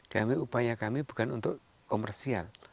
kami upaya kami bukan untuk komersial